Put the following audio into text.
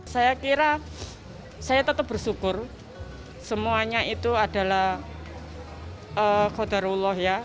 saya kira saya tetap bersyukur semuanya itu adalah kodarullah ya